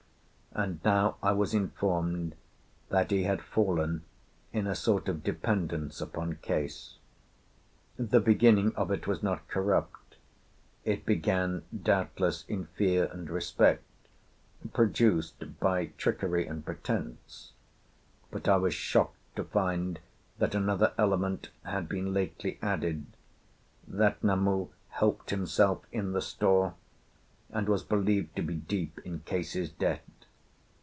And now I was informed that he had fallen in a sort of dependence upon Case. The beginning of it was not corrupt; it began, doubtless, in fear and respect, produced by trickery and pretence; but I was shocked to find that another element had been lately added, that Namu helped himself in the store, and was believed to be deep in Case's debt.